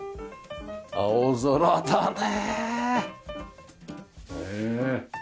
青空だねえ。